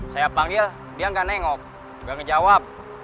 saya panggil dia gak nengok gak ngejawab